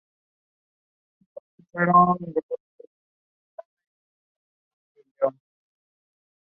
The iron is the reason this bridge was made in the first place.